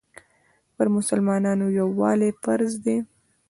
پر مسلمانانو یووالی فرض دی.